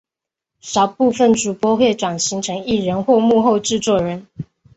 少部份主播会转型成艺人或幕后制作人。